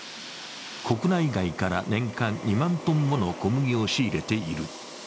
国内外から年間２万トンもの小麦を仕入れている。